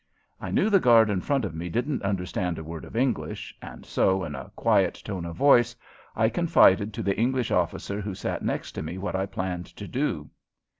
I knew the guard in front of me didn't understand a word of English, and so, in a quiet tone of voice, I confided to the English officer who sat next me what I planned to do.